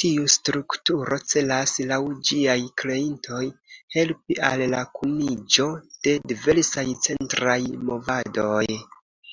Tiu strukturo celas, laŭ ĝiaj kreintoj, helpi al la kuniĝo de diversaj centraj movadoj.